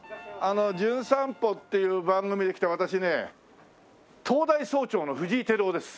『じゅん散歩』っていう番組で来た私ね東大総長の藤井輝夫です。